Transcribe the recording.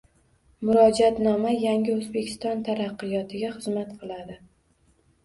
Murojaatnoma – yangi O‘zbekiston taraqqiyotiga xizmat qiladi